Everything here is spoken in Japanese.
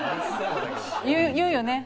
言うよね。